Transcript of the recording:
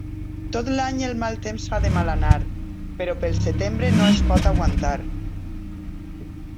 Tot l'any el mal temps fa de mal anar; però pel setembre no es pot aguantar.